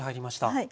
はい。